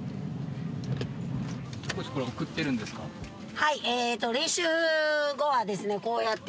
はい。